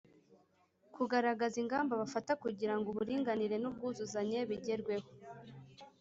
Kugaragaza ingamba bafata kugira ngo uburinganire n’ubwuzuzanye bigerweho